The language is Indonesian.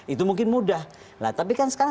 itu mungkin mudah nah tapi kan sekarang